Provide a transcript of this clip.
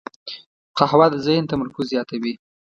قهوه د ذهن تمرکز زیاتوي